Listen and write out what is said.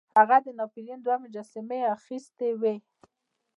هغه د ناپلیون دوه مجسمې اخیستې وې.